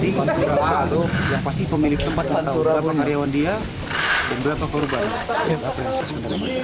kita belum bisa pasti pemilik tempat atau berapa karyawan dia dan berapa korban